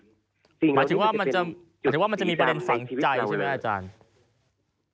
หมายถึงว่ามันจะมีประเด็นฝั่งใจใช่ไหมอาจารย์